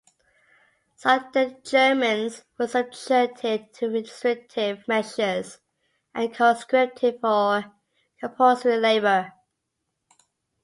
Sudeten Germans were subjected to restrictive measures and conscripted for compulsory labor.